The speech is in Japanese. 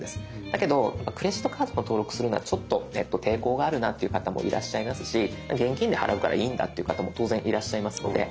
だけどクレジットカードを登録するのはちょっと抵抗があるなという方もいらっしゃいますし現金で払うからいいんだっていう方も当然いらっしゃいますので「スキップ」。